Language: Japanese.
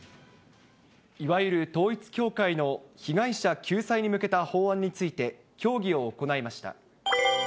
いわゆる統一教会の被害者救済に向けた法案について、協議を行いました。